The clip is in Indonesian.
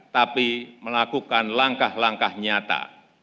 tapi melakukan langkah langkah nyata